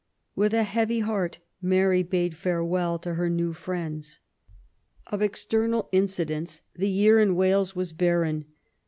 With a heavy heart Mary bade farewell to her new friends. Of external incidents the year in Wales was barren.